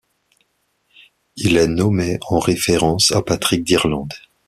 Il est nommé en référence à Patrick d'Irlande.